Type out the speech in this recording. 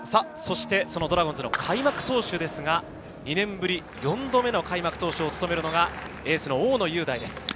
そしてドラゴンズの開幕投手ですが、２年ぶり、４度目の開幕投手を務めるのがエースの大野雄大です。